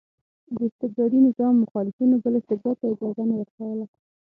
د استبدادي نظام مخالفینو بل استبداد ته اجازه نه ورکوله.